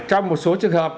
trong một số trường hợp